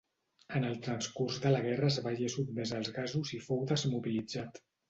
En el transcurs de la guerra es veié sotmès als gasos i fou desmobilitzat.